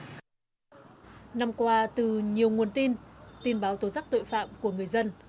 năm qua từ nhiều nguồn tin tin báo tổ chức tội phạm của người dân